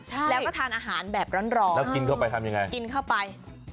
ใช่แล้วก็ทานอาหารแบบร้อนแล้วกินเข้าไปทำยังไงกินเข้าไป